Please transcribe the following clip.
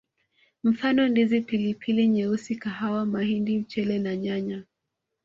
Mfano Ndizi Pilipili nyeusi kahawa mahindi mchele na nyanya